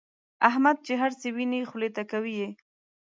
احمد چې هرڅه ویني خولې ته کوي یې.